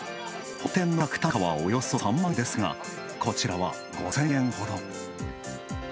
本店の客単価はおよそ３万円ですがこちらは、５０００円ほど。